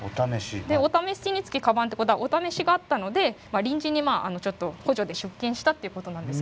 「御様につきか番」ってことは御様があったので臨時にちょっと補助で出勤したっていうことなんですけれども。